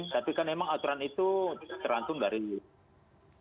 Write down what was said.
tapi kan memang aturan itu terantum dari bukit tugas